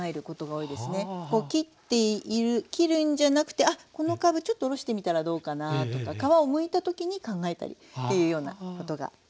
こう切っている切るんじゃなくてあっこのかぶちょっとおろしてみたらどうかなとか皮をむいた時に考えたりっていうようなことが多いです。